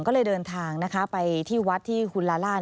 ก็เลยเดินทางนะคะไปที่วัดที่คุณลาล่า